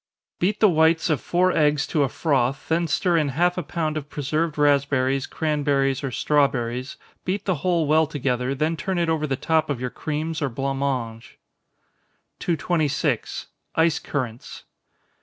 _ Beat the whites of four eggs to a froth, then stir in half a pound of preserved raspberries, cranberries, or strawberries beat the whole well together, then turn it over the top of your creams or blanc mange. 226. _Ice Currants.